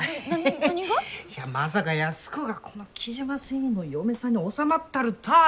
いやまさか安子がこの雉真繊維の嫁さんにおさまっとるたあ